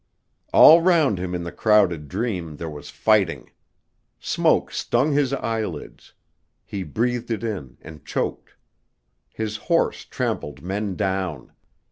All round him in the crowded dream there was fighting. Smoke stung his eyelids. He breathed it in, and choked. His horse trampled men down.